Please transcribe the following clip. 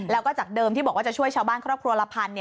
แล้วก็จากเดิมที่บอกว่าจะช่วยชาวบ้านครอบครัวละพัน